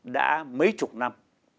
đã mấy chục năm